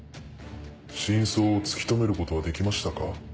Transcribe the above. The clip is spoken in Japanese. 真相を突き止めることはできましたか？